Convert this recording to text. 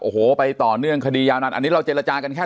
โอ้โหไปต่อเนื่องคดียาวนานอันนี้เราเจรจากันแค่